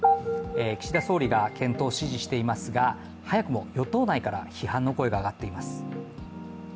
岸田総理が検討を指示していますが早くも与党内から批判の声が上がっています。